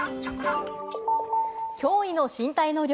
驚異の身体能力。